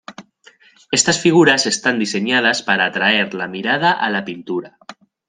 Estas figuras están diseñadas para atraer la mirada a la pintura.